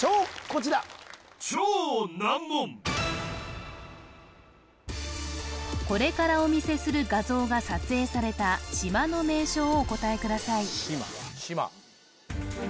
こちらこれからお見せする画像が撮影された島の名称をお答えください